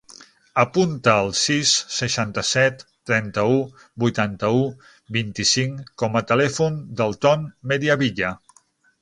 Apunta el sis, seixanta-set, trenta-u, vuitanta-u, vint-i-cinc com a telèfon del Ton Mediavilla.